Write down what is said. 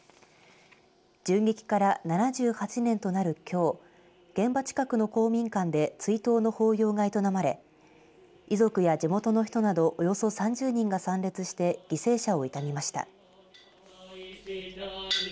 銃撃から７８年となるきょう現場近くの公民館で追悼の法要が営まれ遺族や地元の人などおよそ３０人が参列して犠牲者を悼みました。